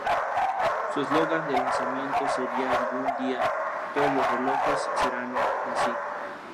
Su eslogan de lanzamiento sería "Algún día, todos los relojes serán así".